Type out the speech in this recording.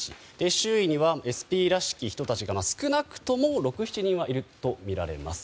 周囲にはＳＰらしき人たちが少なくとも６７人はいるとみられます。